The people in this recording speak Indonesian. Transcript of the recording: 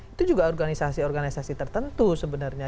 itu juga organisasi organisasi tertentu sebenarnya